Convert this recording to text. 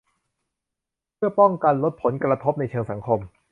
เพื่อป้องกันลดผลกระทบในเชิงสังคม